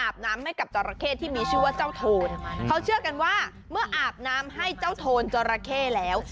ก็ให้คิดเลยว่าไปอาบ